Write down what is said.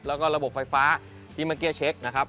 แล้วก็ระบบไฟฟ้าที่เมื่อกี้เช็คนะครับ